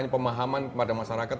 pemahaman kepada masyarakat